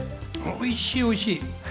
おいしい、おいしい！